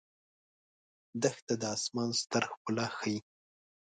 دښته د آسمان ستر ښکلا ښيي.